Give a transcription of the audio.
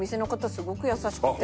すごく優しくて。